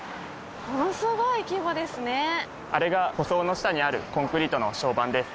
あれが舗装の下にあるコンクリートの床版です。